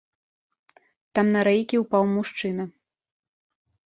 Там на рэйкі ўпаў мужчына.